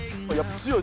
強い。